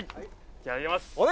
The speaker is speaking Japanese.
じゃあやります。